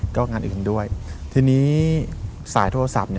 ก็งานอื่นด้วยทีนี้สายโทรศัพท์